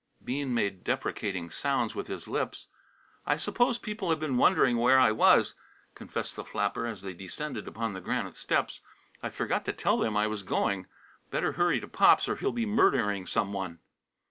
Bean made deprecating sounds with his lips. "I suppose people have been wondering where I was," confessed the flapper as they descended upon the granite steps. "I forgot to tell them I was going. Better hurry to Pops or he'll be murdering some one."